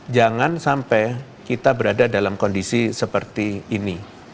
jangan sampai kita berada dalam kondisi seperti ini